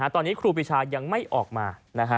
ตอนนี้ครูปีชายังไม่ออกมา